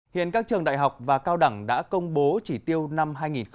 hiện các trường đại học và cao đẳng đã công bố chỉ tiêu năm hai nghìn hai mươi